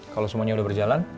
kalau semuanya udah berjalan